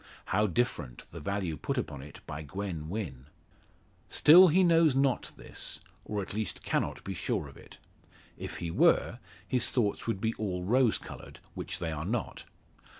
How different the value put upon it by Gwen Wynn! Still he knows not this, or at least cannot be sure of it. If he were, his thoughts would be all rose coloured, which they are not.